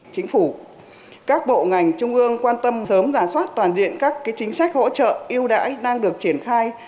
chính phủ các bộ ngành trung ương quan tâm sớm giả soát toàn diện các chính sách hỗ trợ yêu đãi đang được triển khai